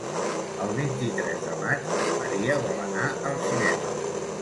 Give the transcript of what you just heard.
El vint-i-tres de maig en Maria vol anar al cinema.